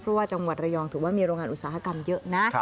เพราะว่าจังหวัดระยองถือว่ามีโรงงานอุตสาหกรรมเยอะนะ